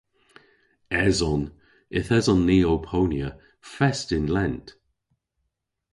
Eson. Yth eson ni ow ponya fest yn lent.